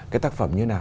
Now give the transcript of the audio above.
cái tác phẩm như thế nào